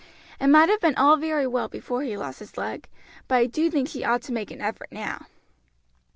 It might have been all very well before he lost his leg, but I do think she ought to make an effort now."